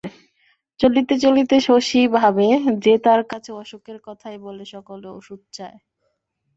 চলিতে চলিতে শশী ভাবে যে তার কাছে অসুখের কথাই বলে সকলে, ওষুধ চায়।